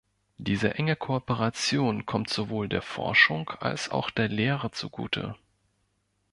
Diese enge Kooperation kommt sowohl der Forschung als auch der Lehre zugute.